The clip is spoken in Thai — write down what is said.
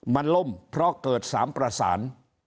มันล่มเพราะเกิด๓ประสาน